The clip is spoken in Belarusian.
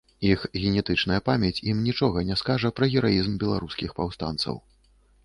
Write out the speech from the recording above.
Іх генетычная памяць ім нічога не скажа пра гераізм беларускіх паўстанцаў.